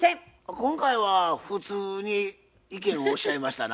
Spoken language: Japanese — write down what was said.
今回は普通に意見をおっしゃいましたな。